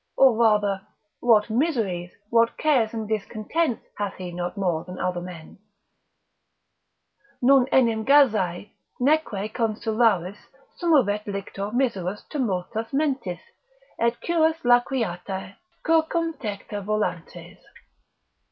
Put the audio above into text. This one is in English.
or rather what miseries, what cares and discontents hath he not more than other men? Non enim gazae, neque consularis Summovet lictor miseros tumultus Mentis, et curas laqueata circum Tecta volantes.